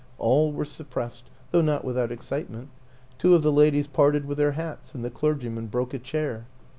All were suppressed, though not without excitement; two of the ladies parted with their hats and the clergyman broke a chair.